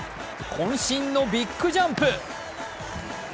こん身のビッグジャンプ。